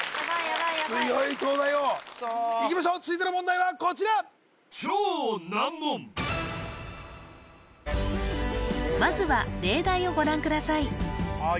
ヤバい強い東大王いきましょう続いての問題はこちらまずは例題をご覧ください